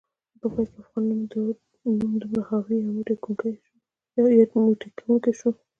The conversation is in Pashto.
په پای کې د افغان نوم دومره حاوي، یو موټی کونکی شو